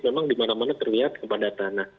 memang dimana mana terlihat kepadatan